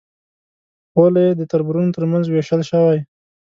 غولی یې د تربرونو تر منځ وېشل شوی.